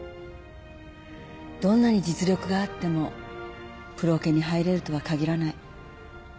どんなに実力があってもプロオケに入れるとは限らない。